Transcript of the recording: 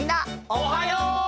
おはよう！